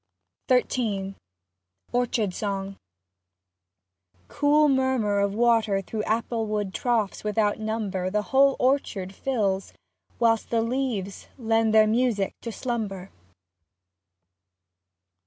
30 XIII ORCHARD SONG Cool murmur of water through apple wood Troughs without number The whole orchard fills, whilst the leaves Lend their music to slumber.